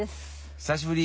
久しぶり。